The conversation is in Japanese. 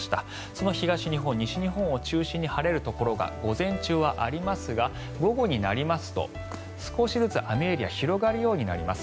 その東日本、西日本を中心に晴れるところが午前中はありますが午後になりますと少しずつ雨エリアが広がるようになります。